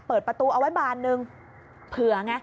เปิดประตูเอาไว้บานนึง